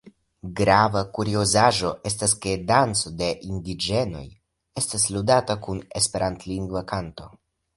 Grava kuriozaĵo estas ke danco de indiĝenoj estas ludata kun esperantlingva kanto.